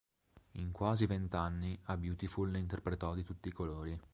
In quasi vent'anni a "Beautiful" ne interpretò di tutti i colori.